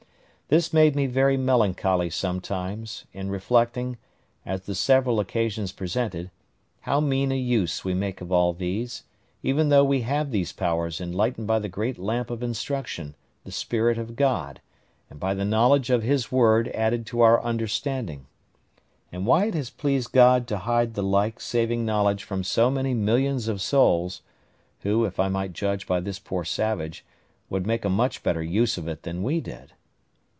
This made me very melancholy sometimes, in reflecting, as the several occasions presented, how mean a use we make of all these, even though we have these powers enlightened by the great lamp of instruction, the Spirit of God, and by the knowledge of His word added to our understanding; and why it has pleased God to hide the like saving knowledge from so many millions of souls, who, if I might judge by this poor savage, would make a much better use of it than we did.